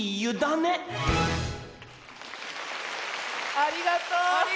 ありがとう！